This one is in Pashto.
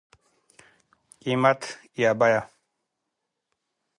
قيمت √ بيه